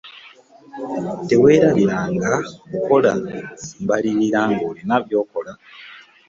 Tewerabiranga kukola mbalirira nga olina byokola.